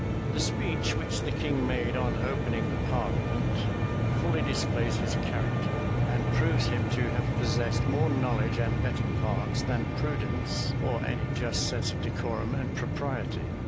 The speech which the king made on opening the parliament, fully displays his character, and proves him to have possessed more knowledge and better parts, than prudence, or any just sense of decorum and propriety.